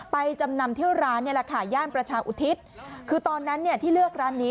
ไปจำนำที่ร้านเนี่ยราคาแย่นประชาอุทิศคือตอนนั้นที่เลือกร้านนี้